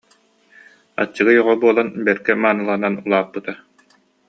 Аччыгый оҕо буолан бэркэ мааныланан улаап- пыта